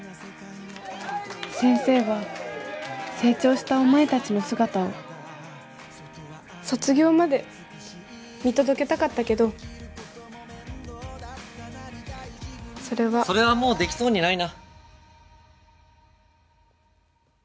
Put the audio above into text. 先生は成長したお前達の姿を卒業まで見届けたかったけどそれはそれはもうできそうにないな